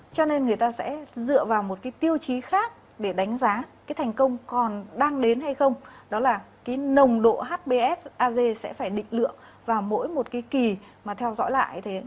cho nên người ta sẽ dựa vào một cái tiêu chí khác để đánh giá cái thành công còn đang đến hay không đó là cái nồng độ hbsag sẽ phải định lượng vào mỗi một kỳ mà theo dõi lại